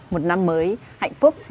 một năm mới hạnh phúc